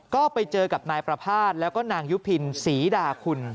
ก็ไปเจอกับนายประภาษณ์แล้วก็นางยุพินศรีดาคุณ